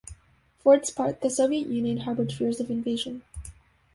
For its part, the Soviet Union harbored fears of invasion.